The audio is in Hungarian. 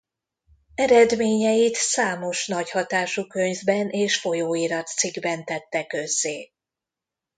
Eredményeit számos nagy hatású könyvben és folyóiratcikkben tette közzé.